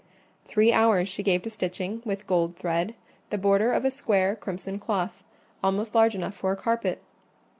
Three hours she gave to stitching, with gold thread, the border of a square crimson cloth, almost large enough for a carpet.